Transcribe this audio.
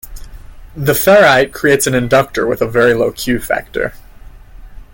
The ferrite creates an inductor with a very low Q factor.